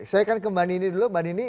saya akan kembali ini dulu mbak nini